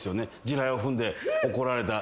地雷を踏んで怒られた。